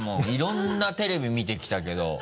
いろんなテレビ見てきたけど。